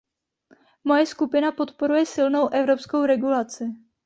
Moje skupina podporuje silnou evropskou regulaci.